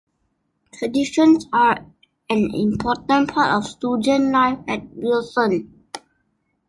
Traditions are an important part of student life at Wilson.